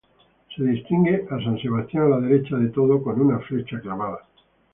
Se distingue a san Sebastián, a la derecha de todo, con una flecha clavada.